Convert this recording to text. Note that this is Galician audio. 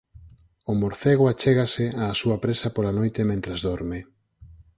O morcego achégase á súa presa pola noite mentres dorme.